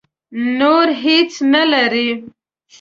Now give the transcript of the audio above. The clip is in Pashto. نور هېڅ نه لري.